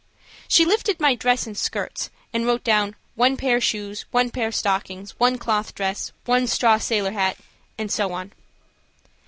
She lifted my dress and skirts and wrote down one pair shoes, one pair stockings, one cloth dress, one straw sailor hat, and so on.